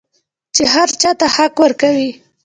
چې هر چا ته حق ورکوي.